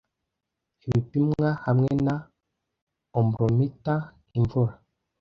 Ibipimwa hamwe na ombrometer Imvura